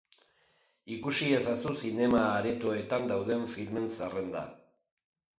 Ikusi ezazu zinema-aretoetan dauden filmen zerrenda.